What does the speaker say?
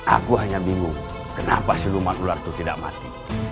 aku hanya bingung kenapa siluman ular itu tidak mati